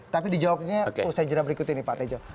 tapi dijawabnya prosedur berikut ini pak tejo